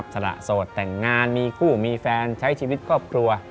สละโสดแต่งงานมีคู่มีแฟนใช้ชีวิตครอบครัว